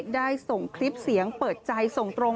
ได้ส่งคลิปเสียงเปิดใจส่งตรง